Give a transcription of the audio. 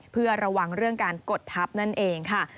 เพื่อระวังเรื่องการกดทับนั่นเองค่ะ